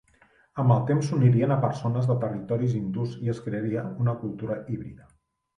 Amb el temps s'unirien a persones de territoris hindús i es crearia una cultura híbrida.